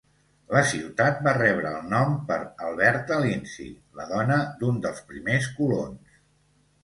La ciutat va rebre el nom per Alberta Lindsey, la dona d'un dels primers colons.